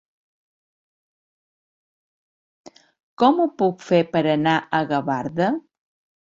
Com ho puc fer per anar a Gavarda?